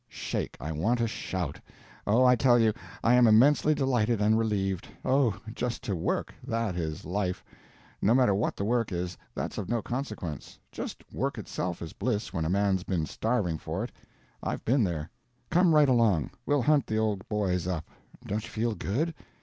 "Shake! I want to shout! Oh, I tell you, I am immensely delighted and relieved. Oh, just to work—that is life! No matter what the work is—that's of no consequence. Just work itself is bliss when a man's been starving for it. I've been there! Come right along; we'll hunt the old boys up. Don't you feel good?